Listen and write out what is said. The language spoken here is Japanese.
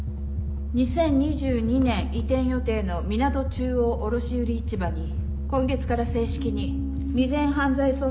２０２２年移転予定の港中央卸売市場に今月から正式に未然犯罪捜査対策準備室を設置。